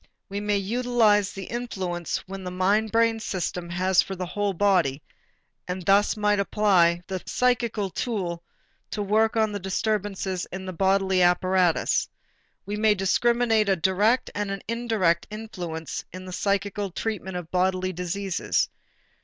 We may utilize the influence which the mind brain system has for the whole body and thus may apply the psychical tool to work on the disturbances in the bodily apparatus. We may discriminate a direct and an indirect influence in the psychical treatment of bodily diseases.